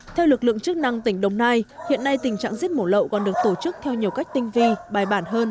theo lực lượng chức năng tỉnh đồng nai hiện nay tình trạng giết mổ lậu còn được tổ chức theo nhiều cách tinh vi bài bản hơn